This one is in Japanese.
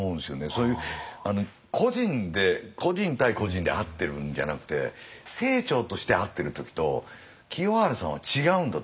そういう個人で個人対個人で会ってるんじゃなくて清張として会ってる時と清張さんは違うんだと僕は。